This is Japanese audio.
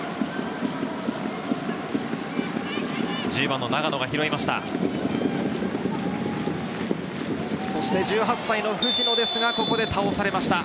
１０番・長野が拾いました。